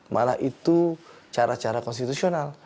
malah itu cara cara konstitusional